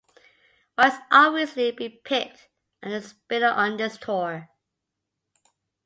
White's obviously been picked as the spinner on this tour.